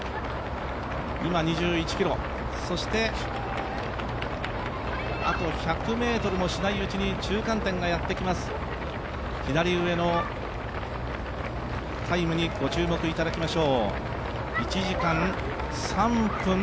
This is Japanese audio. ２１ｋｍ、そしてあと１００ｍしないうちに中間点がやってきます、左上のタイムにご注目いただきましょう。